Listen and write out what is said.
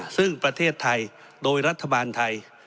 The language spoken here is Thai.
ซึ่งประเทศไทยโดยรัฐบาลไทย